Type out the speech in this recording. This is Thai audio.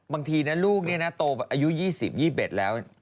บางทีลูกโตอายุ๒๐๒๑แล้ว